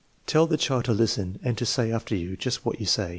Tell the child to listen and to say afterjyou just what you say.